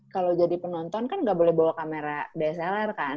kalo jadi penonton kan gak boleh bawa kamera dslr kan